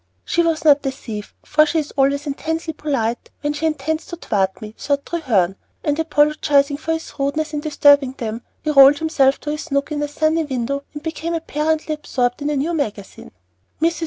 She was not the thief, for she is always intensely polite when she intends to thwart me, thought Treherne, and, apologizing for his rudeness in disturbing them, he rolled himself to his nook in a sunny window and became apparently absorbed in a new magazine. Mrs.